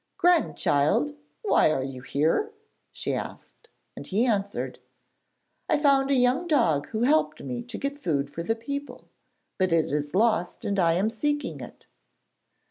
'Grandchild, why are you here?' she asked, and he answered: 'I found a young dog who helped me to get food for the people, but it is lost and I am seeking it.'